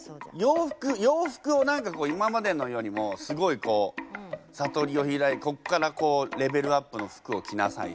洋服を何かこう今までのよりもすごいこう悟りをこっからこうレベルアップの服を着なさいと。